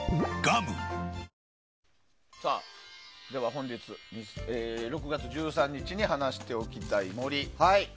本日、６月１３日に話しておきたい森。